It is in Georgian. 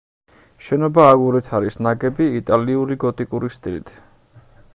შენობა აგურით არის ნაგები, იტალიური გოტიკური სტილით.